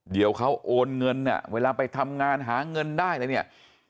เดี๋ยวเขาโอนเงินเนี่ยเวลาไปทำงานหาเงินได้อะไรเนี่ย